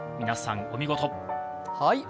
皆さんお見事。